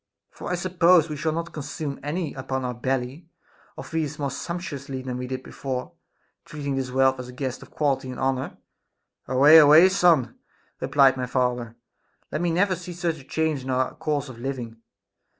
For I suppose we shall not consume any upon our belly, or feast more sump tuously than we did before, treating this wealth as a guest of quality and honor ! Away, away, son, replied my father ; let me never see such a chancre in our course of living.